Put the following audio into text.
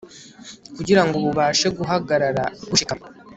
kugira ngo bubashe guhagarara bushikamye